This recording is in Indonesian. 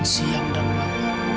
siang dan malam